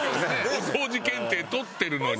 お掃除検定取ってるのに。